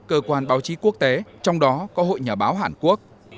cơ quan báo chí quốc tế trong đó có hội nhà báo hàn quốc